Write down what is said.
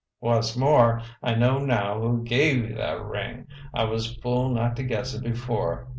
"Wha's more, I know now who gave you that ring. I was fool not to guess it before.